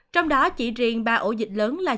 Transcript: trong đó chỉ riêng ba ổ dịch lớn là trung bình